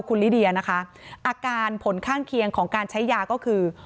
คุณลิเดียนะคะอาการผลข้างเคียงของการใช้ยาก็คือ